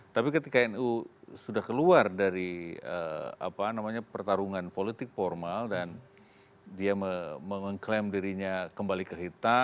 tapi ketika nu sudah keluar dari apa namanya pertarungan politik formal dan dia mengklaim dirinya kembali kehita